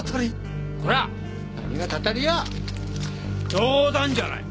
冗談じゃない。